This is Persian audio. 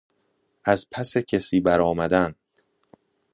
از پس کسی برآمدن